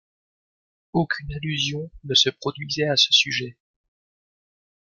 Aucune allusion ne se produisait à ce sujet.